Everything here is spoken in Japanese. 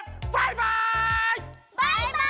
バイバイ！